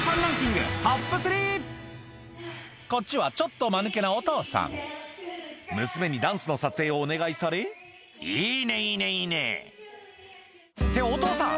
こっちはちょっとマヌケなお父さん娘にダンスの撮影をお願いされ「いいねいいねいいね！」ってお父さん！